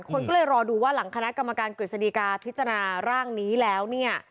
คนก็เลยรอดูว่าหลังคณะกรรมการกฤษฎีกาพิจารณาร่างนี้แล้วเนี่ย